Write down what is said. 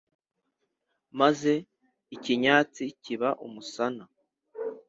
Maze ikinyatsi kiba umusana.